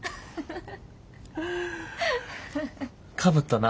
かぶったな。